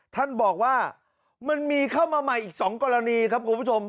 ท่านบอกว่ามันมีเข้ามาใหม่อีก๒กรณีครับคุณผู้ชม